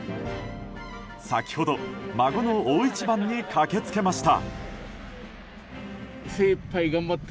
先ほど孫の大一番に駆け付けました。